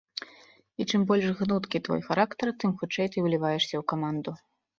І чым больш гнуткі твой характар, тым хутчэй ты ўліваешся ў каманду.